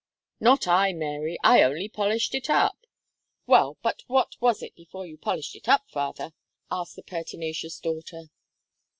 "Not I, Mary. I only polished it up." "Well, but what was it before you polished it up, father?" asked the pertinacious daughter.